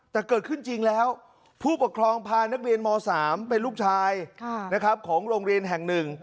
แต่เกิดขึ้นจริงแล้วผู้ปกครองพานักเรียนม๓เป็นลูกชายของโรงเรียนแห่งหนึ่ง